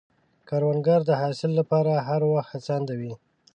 کروندګر د حاصل له پاره هر وخت هڅاند وي